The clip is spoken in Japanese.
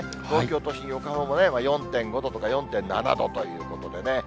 東京都心、横浜も４．５度とか４．７度ということでね。